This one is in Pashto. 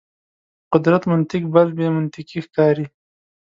قدرت منطق بل بې منطقي ښکاري.